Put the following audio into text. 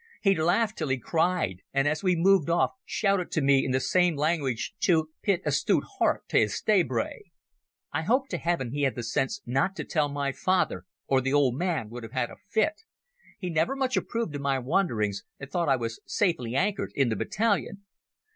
He laughed till he cried, and as we moved off shouted to me in the same language to 'pit a stoot hert tae a stey brae'. I hope to Heaven he had the sense not to tell my father, or the old man will have had a fit. He never much approved of my wanderings, and thought I was safely anchored in the battalion.